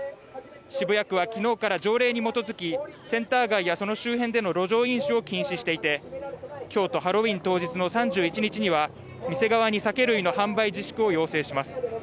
渋谷区は昨日から条例に基づき、センター街やその周辺での路上飲酒を禁止していて、今日とハロウィーン当日の３１日には店側に酒類の販売自粛を要請します。